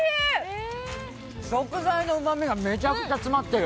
食材のうまみがめちゃくちゃ詰まってる。